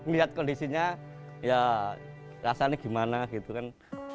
lihat kondisinya ya rasanya gimana gitu kan